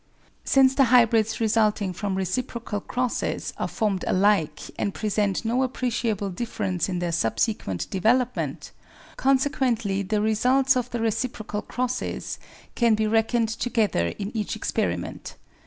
Since the hybrids resulting from reciprocal crosses are formed alike and present no appreciable difference in their subsequent development, consequently the results [of the reciprocal crosses] can be reckoned together in each experiment.